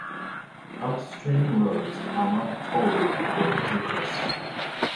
Upstream roads are not tolled according to Chris.